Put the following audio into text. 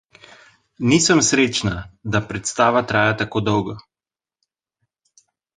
Nisem srečna, da predstava traja tako dolgo.